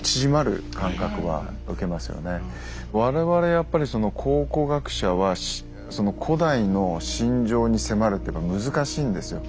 やっぱり考古学者は古代の心情に迫るってのは難しいんですよ。